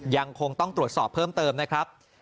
ยังคงต้องตรวจสอบเพิ่มเติมนะครับ